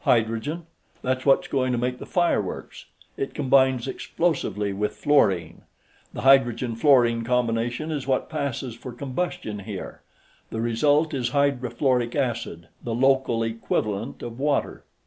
"Hydrogen. That's what's going to make the fireworks; it combines explosively with fluorine. The hydrogen fluorine combination is what passes for combustion here; the result is hydrofluoric acid, the local equivalent of water.